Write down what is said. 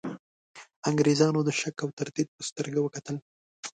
انګرېزانو د شک او تردید په سترګه وکتل.